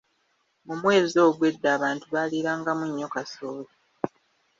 Mu mwezi ogwo edda abantu baalirangamu nnyo kasooli.